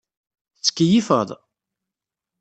Tettkeyifeḍ?